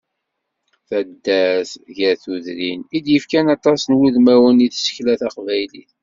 D taddart gar tudrin, i d-yefkan aṭas n wudmawen n tsekla taqbaylit.